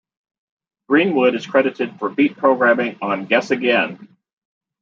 Greenwood is credited for beat programming on Guess Again!